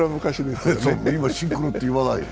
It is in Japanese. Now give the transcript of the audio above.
今はシンクロって言わない。